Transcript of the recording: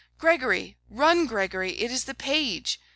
Gregory! run, Gregory! It is the page!